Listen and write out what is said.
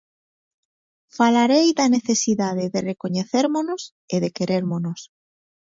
Falarei da necesidade de recoñecérmonos e de querérmonos.